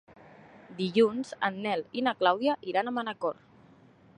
Dilluns en Nel i na Clàudia iran a Manacor.